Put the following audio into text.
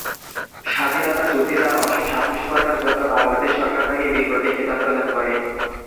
স্বাধীনতা যুদ্ধে তার অসীম সাহসিকতার জন্য বাংলাদেশ সরকার তাকে বীর প্রতীক খেতাব প্রদান করে।